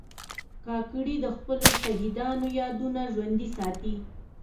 کاکړي د خپلو شهیدانو یادونه ژوندي ساتي.